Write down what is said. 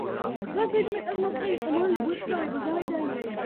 მისი ნამუშევრები მიეკუთვნება „ჯაზის ეპოქას“, ტერმინს, რომელიც მან თვითონ გამოიგონა.